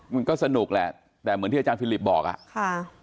มันก็สนุกแหละแต่เหมือนที่อาจารย์ฟิลิปบอกอ่ะค่ะ